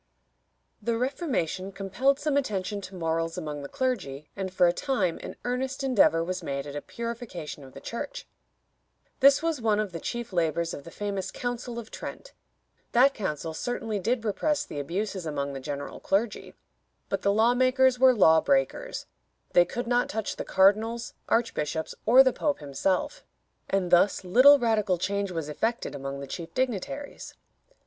The Reformation compelled some attention to morals among the clergy, and for a time an earnest endeavor was made at a purification of the Church. This was one of the chief labors of the famous Council of Trent. That council certainly did repress the abuses among the general clergy, but the law makers were law breakers. They could not touch the cardinals, archbishops, or the Pope himself, and thus little radical change was effected among the chief dignitaries.